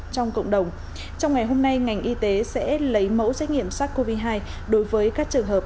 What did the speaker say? trong cộng đồng trong ngày hôm nay ngành y tế sẽ lấy mẫu xét nghiệm sars cov hai đối với các trường hợp